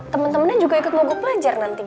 temen temennya juga ikut mau gok belajar nanti